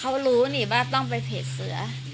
เขารู้นี่ว่าต้องไปเพจเสือ